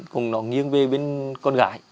cùng nó nghiêng về bên con gái